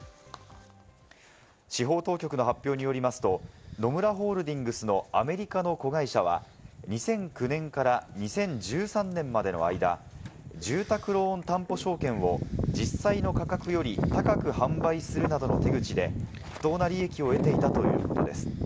司法当局の発表によりますと、野村ホールディングスのアメリカの子会社は、２００９年から２０１３年までの間、住宅ローン担保証券を実際の価格より高く販売するなどの手口で不当な利益を得ていたということです。